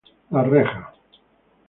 Las Rejas.